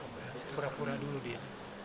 harus pura pura dulu dia